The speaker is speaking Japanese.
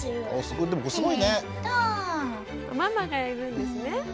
ママがいるんですね。